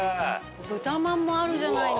豚まんもあるじゃないの。